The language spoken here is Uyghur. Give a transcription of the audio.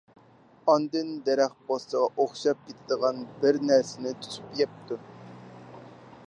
ئاندىن دەرەخ پوستىغا ئوخشاپ كېتىدىغان بىر نەرسىنى تۇتۇپ يەپتۇ.